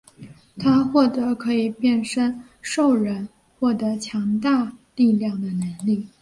他获得可以变身兽人获得强大力量的能力。